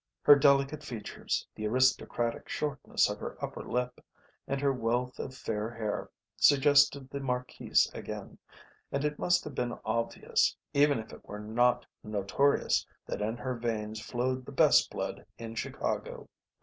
Her delicate features, the aristocratic shortness of her upper lip, and her wealth of fair hair suggested the marquise again, and it must have been obvious, even if it were not notorious, that in her veins flowed the best blood in Chicago.